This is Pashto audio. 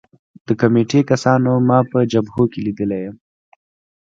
د کمېټې کسانو ما په جبهو کې لیدلی یم